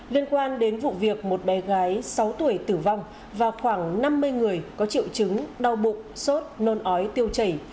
liên quan đến vụ việc một bé gái sáu tuổi tử vong và khoảng năm mươi người có triệu chứng đau bụng sốt nôn ói tiêu chảy